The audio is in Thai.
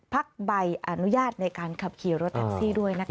ใบอนุญาตในการขับขี่รถแท็กซี่ด้วยนะคะ